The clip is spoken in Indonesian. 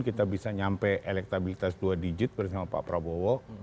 kita bisa nyampe elektabilitas dua digit bersama pak prabowo